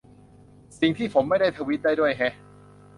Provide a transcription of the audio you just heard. สิ่งที่ผมไม่ได้ทวีตได้ด้วยแฮะ